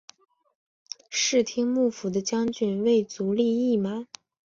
室町幕府的将军为足利义满。